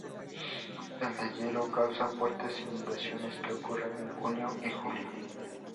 El deshielo causa fuertes inundaciones, que ocurren en junio y julio.